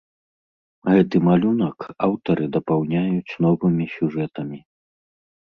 Гэты малюнак аўтары дапаўняюць новымі сюжэтамі.